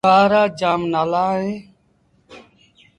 گآه رآ جآم نآلآ اهيݩ۔